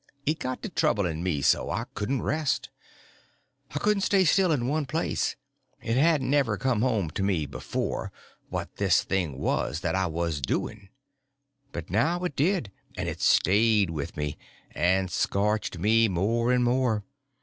It got to troubling me so I couldn't rest; I couldn't stay still in one place. It hadn't ever come home to me before, what this thing was that I was doing. But now it did; and it stayed with me, and scorched me more and more.